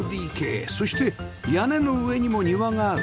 そして屋根の上にも庭がある